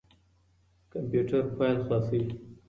کمپيوټر فايل خلاصوي.